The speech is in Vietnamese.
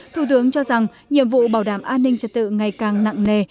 thủ tướng cho rằng nhiệm vụ bảo đảm an ninh trật tự ngày càng nặng nề